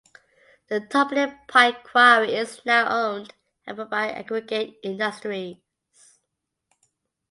The Topley Pike Quarry is now owned and run by Aggregate Industries.